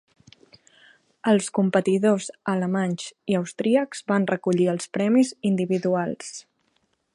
Els competidors alemanys i austríacs van recollir els premis individuals.